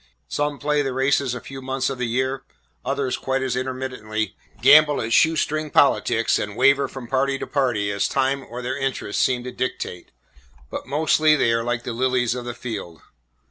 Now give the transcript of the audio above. Some play the races a few months of the year; others, quite as intermittently, gamble at "shoestring" politics, and waver from party to party as time or their interests seem to dictate. But mostly they are like the lilies of the field.